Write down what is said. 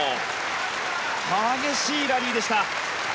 激しいラリーでした。